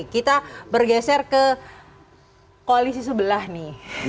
kita bergeser ke koalisi sebelah nih